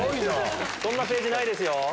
そんなページないですよ！